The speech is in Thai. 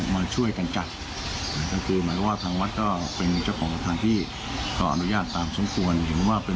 มีแนวทางที่จะร่วมกันพัฒนาได้